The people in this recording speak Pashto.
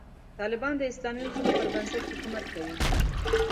طالبان د اسلامي اصولو پر بنسټ حکومت کوي.